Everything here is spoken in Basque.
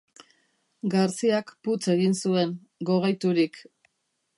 Garciak putz egin zuen, gogaiturik.